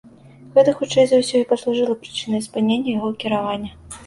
Гэта хутчэй за ўсё і паслужыла прычынай спынення яго кіравання.